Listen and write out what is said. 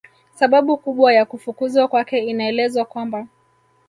Sababu kubwa ya kufukuzwa kwake inaelezwa kwamba